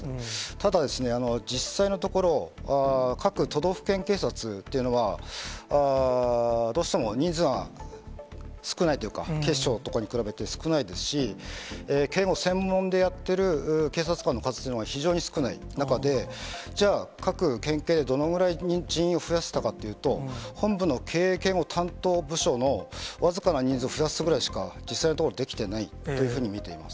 ただですね、実際のところ、各都道府県警察というのは、どうしても人数が少ないというか、警視庁とかに比べて少ないですし、警護専門でやってる警察官の数というのは非常に少ない中で、じゃあ、各県警、どのぐらい人員を増やせたかというと、本部の警護担当部署の僅かな人数を増やすぐらいしか実際のところ、できてないというふうに見ています。